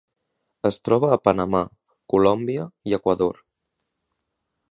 Es troba a Panamà, Colòmbia i Equador.